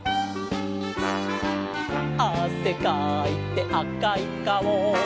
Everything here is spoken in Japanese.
「あせかいてあかいかお」